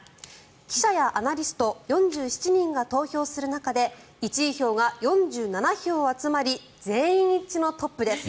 記者やアナリスト４７人が投票する中で１位票が４７票集まり全員一致のトップです。